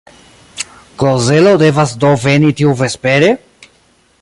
Klozelo devas do veni tiuvespere?